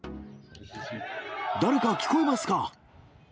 誰か聞こえますか？